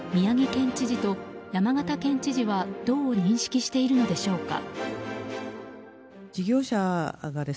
県知事と山形県知事はどう認識しているのでしょうか。